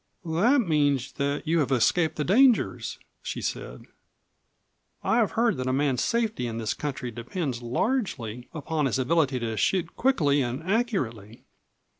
"That means that you have escaped the dangers," she said. "I have heard that a man's safety in this country depends largely upon his ability to shoot quickly and accurately.